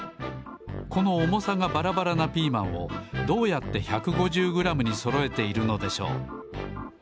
このおもさがばらばらなピーマンをどうやって１５０グラムにそろえているのでしょう。